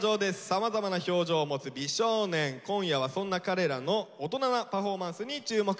さまざまな表情を持つ美少年今夜はそんな彼らの大人なパフォーマンスに注目して下さい。